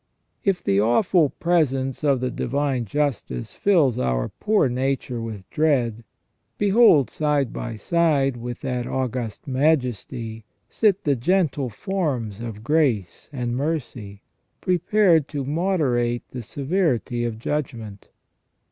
If the awful presence of the Divine Justice fills our poor nature with dread, behold side by side with that August Majesty sit the gentle forms of Grace and Mercy, prepared to moderate the severity of judg ment.